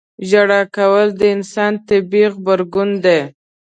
• ژړا کول د انسان طبیعي غبرګون دی.